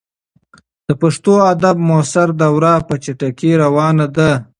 د پښتو ادب معاصره دوره په چټکۍ روانه ده.